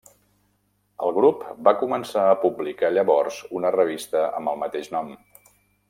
El grup va començar a publicar llavors una revista amb el mateix nom.